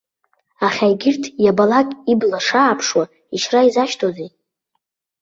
Аха егьырҭ, иабалак, ибла шааԥшуа ишьра изашьҭоузеи?